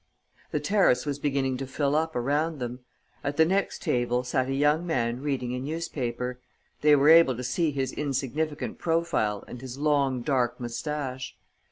The terrace was beginning to fill up around them. At the next table sat a young man reading a newspaper. They were able to see his insignificant profile and his long, dark moustache.